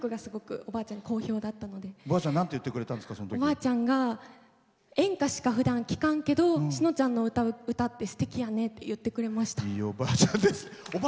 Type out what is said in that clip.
おばあちゃんが、演歌しかふだん聴かんけどしのちゃんの歌ってすてきやねって言ってくれました。